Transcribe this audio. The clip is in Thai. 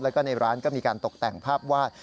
แล้วก็ในร้านก็มีการตกแต่งภาพวาด